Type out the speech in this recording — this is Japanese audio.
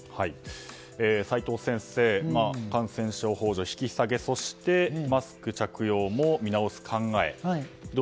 齋藤先生、感染症上引き下げそしてマスク着用も見直す考え。